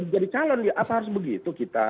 jadi calon apa harus begitu kita